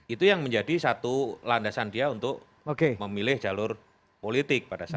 itu yang menjadi satu landasan dia untuk memilih jalur politik pada saat itu